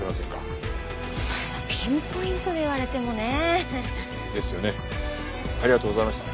ピンポイントで言われてもね。ですよね。ありがとうございました。